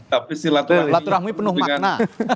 tapi silaturahmi penuh makna